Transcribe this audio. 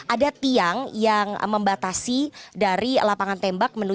ada tiang yang membatasi dari lapangan tembak